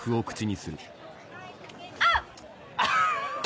あっ！